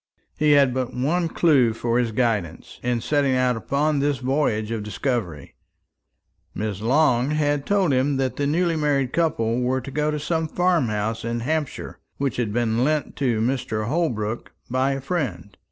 He had but one clue for his guidance in setting out upon this voyage of discovery. Miss Long had told him that the newly married couple were to go to some farm house in Hampshire which had been lent to Mr. Holbrook by a friend.